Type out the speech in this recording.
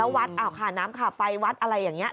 แล้ววัดอ่าวขาน้ำขาบไฟวัดอะไรอย่างเงี้ย